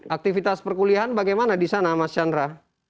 aktivitas perkuliahan bagaimana di sana mas chandra